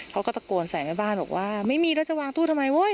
เขาก็ตะโกนใส่แม่บ้านบอกว่าไม่มีแล้วจะวางตู้ทำไมเว้ย